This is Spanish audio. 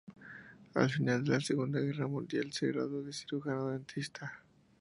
Al final de la Segunda Guerra Mundial, se graduó de cirujano dentista.